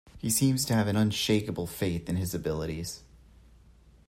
He seems to have an unshakeable faith in his abilities.